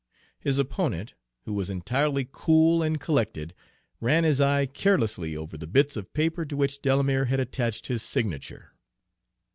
His opponent, who was entirely cool and collected, ran his eye carelessly over the bits of paper to which Delamere had attached his signature.